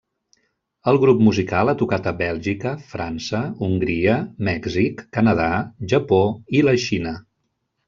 El grup musical ha tocat a Bèlgica, França, Hongria, Mèxic, Canadà, Japó i la Xina.